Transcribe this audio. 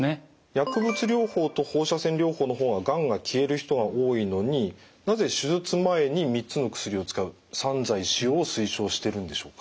薬物療法と放射線療法の方ががんが消える人が多いのになぜ手術前に３つの薬を使う３剤使用を推奨してるんでしょうか？